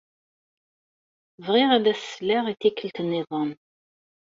Bɣiɣ ad as-sleɣ i tikkelt nniḍen.